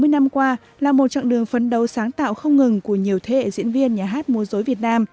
sáu mươi năm qua là một chặng đường phấn đấu sáng tạo không ngừng của nhiều thế hệ diễn viên nhà hát mô dối việt nam